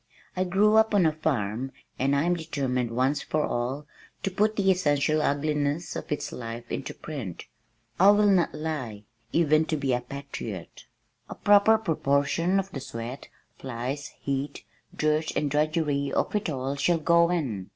"I grew up on a farm and I am determined once for all to put the essential ugliness of its life into print. I will not lie, even to be a patriot. A proper proportion of the sweat, flies, heat, dirt and drudgery of it all shall go in.